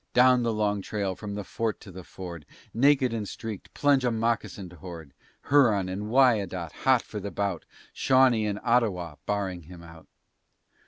Down the long trail from the Fort to the ford, Naked and streaked, plunge a moccasin'd horde: Huron and Wyandot, hot for the bout; Shawnee and Ottawa, barring him out!